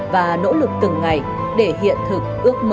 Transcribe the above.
và nỗ lực từng ngày để hiện thực